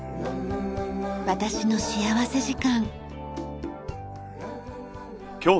『私の幸福時間』。